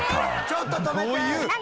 「ちょっと止めて！」